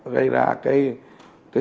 gây ra cái